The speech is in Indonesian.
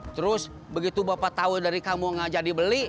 terus begitu bapak tau dari kamu ngajak dibeli